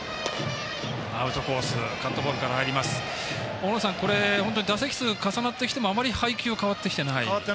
大野さん、本当に打席数が重なってきてもあまり配球は変わってきていない。